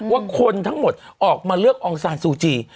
ว่าคนทั้งหมดออกมาเลือกอองซานซูจี